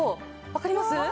わかります？